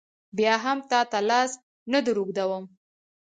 بیا هم تا ته لاس نه در اوږدوم.